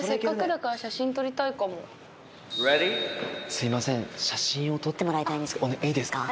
すいません写真を撮ってもらいたいんですけどいいですか？